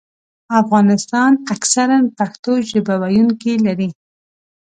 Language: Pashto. افغانستان اکثراً پښتو ژبه ویونکي لري.